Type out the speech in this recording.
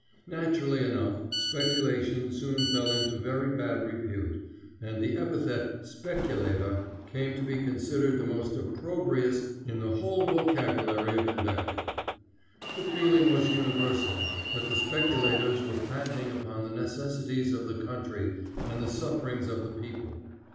Naturally enough, speculation soon fell into very bad repute, and the epithet "speculator" came to be considered the most opprobrious in the whole vocabulary of invective. The feeling was universal that the speculators were fattening upon the necessities of the country and the sufferings of the people.